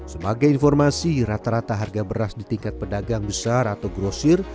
sebagai informasi rata rata harga beras di tingkat pedagang besar atau grosir